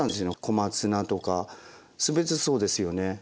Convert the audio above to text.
小松菜とか全てそうですよね。